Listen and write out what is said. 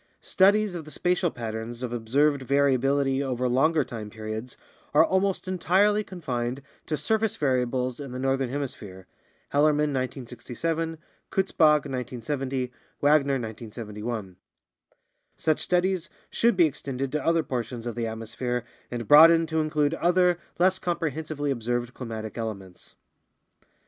Studies of the spatial patterns of observed variability over longer time periods are almost entirely confined to surface variables in the northern hemisphere (Hellerman, 1967; Kutzbach, 1970; Wagner, 1971). Such studies should be extended to other portions of the atmosphere and broadened to include other, less comprehensively observed climatic elements.